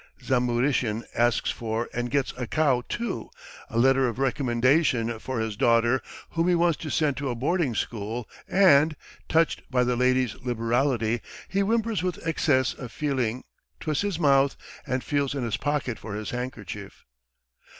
Zamuhrishen asks for and gets a cow too, a letter of recommendation for his daughter whom he wants to send to a boarding school, and ... touched by the lady's liberality he whimpers with excess of feeling, twists his mouth, and feels in his pocket for his handkerchief